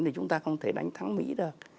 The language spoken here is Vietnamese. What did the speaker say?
thì chúng ta không thể đánh thắng mỹ được